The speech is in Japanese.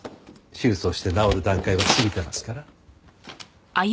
手術をして治る段階は過ぎてますから。